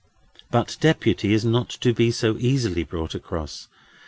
But Deputy is not to be so easily brought across.